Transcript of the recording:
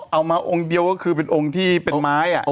องค์เดียวก็คือเป็นองค์ที่เป็นไม้